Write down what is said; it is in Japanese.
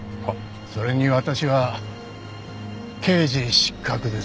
それに私は刑事失格です。